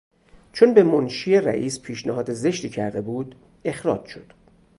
چون به منشی رییس پیشنهاد زشتی کرده بود اخراج شد.